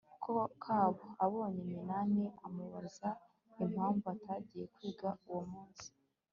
kabo. abonye minani amubaza impamvu atagiye kwiga uwo munsi